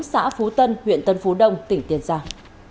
xã phú tân huyện tân phú đông tỉnh tiền giang